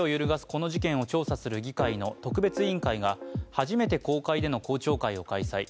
この事件を調査する議会の特別委員会が初めて公開での公聴会を開催。